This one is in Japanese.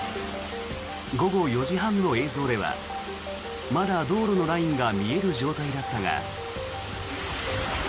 午後４時半の映像ではまだ道路のラインが見える状態だったが。